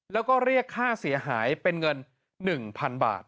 แล้วก็เรียกค่าเสียหายเป็นเงิน๑๐๐๐บาท